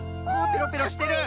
ペロペロしてる。